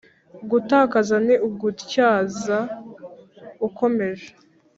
gukaza ni ugutyaza ukomeje